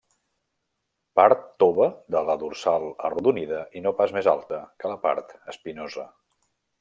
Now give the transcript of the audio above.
Part tova de la dorsal arrodonida i no pas més alta que la part espinosa.